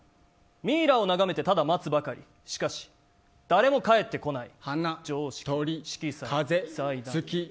ミイラを眺めて、ただ待つばかりしかし誰も帰ってこない。